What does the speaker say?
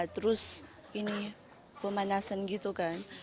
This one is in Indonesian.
terus ini pemanasan gitu kan